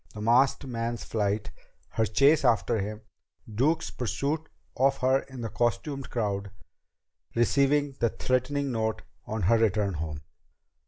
_"; the masked man's flight; her chase after him; Duke's pursuit of her in the costumed crowd; receiving the threatening note on her return home.